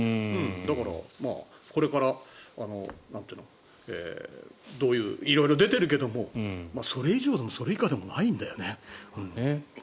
だからこれから色々出ているけどそれ以上でもそれ以下でもないんだよね。